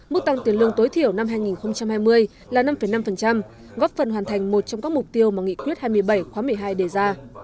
mức tăng tiền lương tối thiểu năm hai nghìn hai mươi là năm năm góp phần hoàn thành một trong các mục tiêu mà nghị quyết hai mươi bảy khóa một mươi hai đề ra